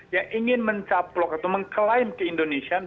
yang ingin mencaplok atau mengklaim keindonesiaan